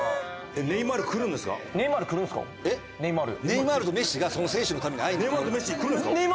ネイマールとメッシがその選手のために会いに。